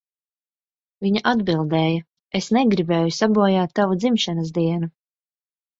Viņa atbildēja, "Es negribēju sabojāt tavu dzimšanas dienu."